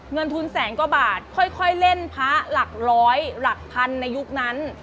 เงินทุนแสนกว่าบาทค่อยเล่นพระหลักร้อยหลักพันในยุคนั้น